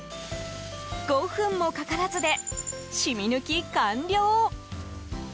５分もかからずでシミ抜き完了。